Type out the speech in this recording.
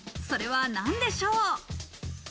それは何でしょう？